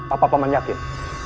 apa pak man yakin